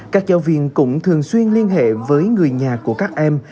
các giáo viên cũng thường xuyên liên hệ với người nhà của các em